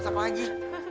so pernah lagi